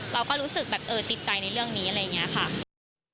เราก็รู้สึกแบบเออติดใจในเรื่องนี้อะไรอย่างนี้ค่ะ